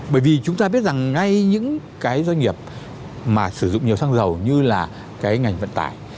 bởi vì chúng ta biết rằng ngay những cái doanh nghiệp mà sử dụng nhiều xăng dầu như là cái ngành vận tải